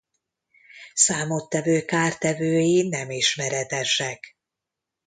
Számottevő kártevői nem ismeretesek.